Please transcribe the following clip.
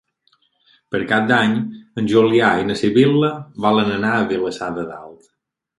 Per Cap d'Any en Julià i na Sibil·la volen anar a Vilassar de Dalt.